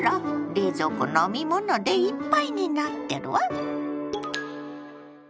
冷蔵庫飲み物でいっぱいになってるわ！